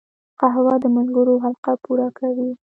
قهوه د ملګرو حلقه پوره کوي